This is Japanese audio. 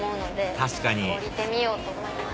確かに降りてみようと思います。